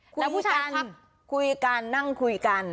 คุยกันนั่งคุยกัน